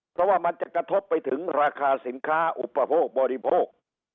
เพราะว่ามันจะกระทบไปถึงราคาสินค้าอุปโภคบริโภค